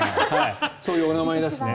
そういうお名前だしね。